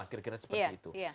kira kira seperti itu